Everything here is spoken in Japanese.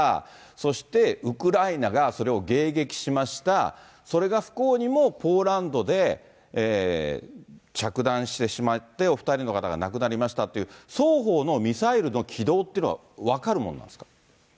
そしてウクライナがそれを迎撃しました、それが不幸にもポーランドで着弾してしまって、お２人の方が亡くなりましたって、双方のミサイルの軌道っていうのは分かるものなんですか。